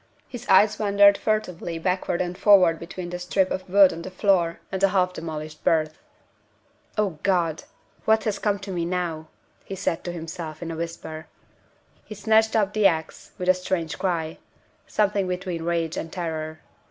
His eyes wandered furtively backward and forward between the strip of wood on the floor and the half demolished berth. "Oh, God! what has come to me now?" he said to himself, in a whisper. He snatched up the ax, with a strange cry something between rage and terror.